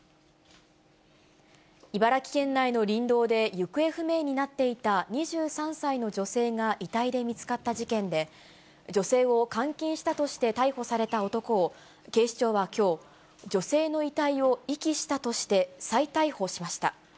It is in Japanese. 茨城県内の林道で、行方不明になっていた２３歳の女性が遺体で見つかった事件で、女性を監禁したとして逮捕された男を警視庁はきょう、女性の遺体を遺棄したとして、再逮捕しました。